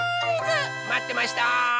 まってました！